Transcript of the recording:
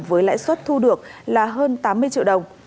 với lãi suất thu được là hơn tám mươi triệu đồng